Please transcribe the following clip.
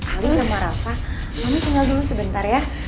ali sama rafa ini tinggal dulu sebentar ya